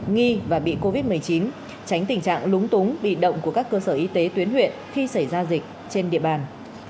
nghi và bị covid một mươi chín tránh tình trạng lúng túng bị động của các cơ sở y tế tuyến huyện khi xảy ra dịch trên địa bàn